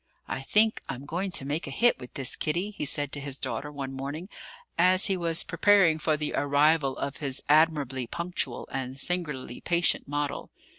"I think I'm going to make a hit with this, Kitty," he said to his daughter one morning, as he was preparing for the arrival of his admirably punctual and singularly patient model.